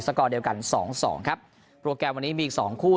กอเดียวกันสองสองครับโปรแกรมวันนี้มีอีกสองคู่